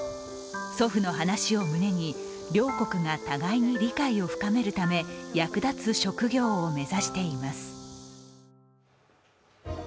祖父の話を胸に、両国が互いに理解を深めるため役立つ職業を目指しています。